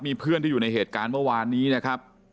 มีเพื่อนที่อยู่ในเหตุการณ์เมื่อวานนี้นะครับ